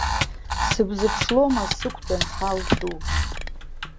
Сыбзыԥшлома сықәтәан ҳал ду.